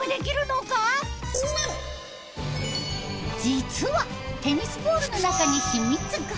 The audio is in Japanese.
実はテニスボールの中に秘密が。